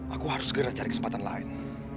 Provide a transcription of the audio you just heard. aku harus segera cari kesempatan lain